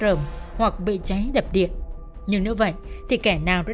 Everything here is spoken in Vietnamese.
lên mở bao tải rồi